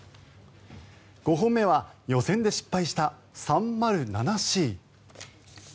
５本目は予選で失敗した３０７Ｃ。